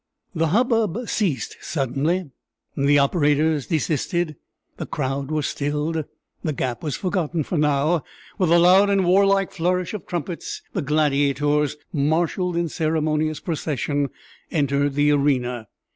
The hubbub ceased suddenly the operators desisted the crowd were stilled the gap was forgotten for now, with a loud and warlike flourish of trumpets, the gladiators, marshaled in ceremonious procession, entered the arena.